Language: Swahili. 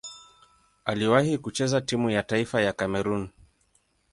Aliwahi kucheza timu ya taifa ya Kamerun.